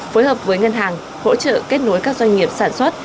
phối hợp với ngân hàng hỗ trợ kết nối các doanh nghiệp sản xuất